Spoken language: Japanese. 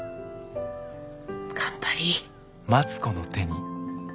頑張りぃ。